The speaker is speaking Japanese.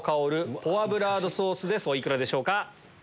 お幾らでしょうか？